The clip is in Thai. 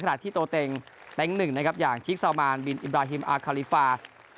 ที่โตเต็งเต็งหนึ่งนะครับอย่างชิคซาวมานบินอิบราฮิมอาคาลิฟา